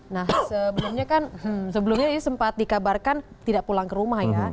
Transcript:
nah sebelumnya kan sebelumnya ini sempat dikabarkan tidak pulang ke rumah ya